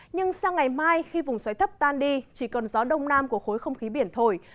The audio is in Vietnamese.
nhưng sang ngày mai khi vùng xoáy thấp tan đi chỉ còn gió đông nam của khối không khí biển thổi